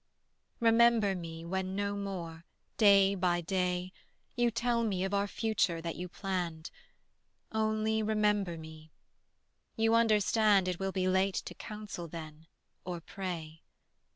Remember me when no more, day by day, You tell me of our future that you planned: Only remember me; you understand It will be late to counsel then or pray.